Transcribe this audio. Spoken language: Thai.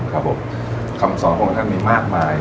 ครับผมคำสอนของท่านมีมากมาย